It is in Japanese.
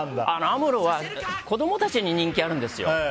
アムロは子供たちに人気あるんですよ。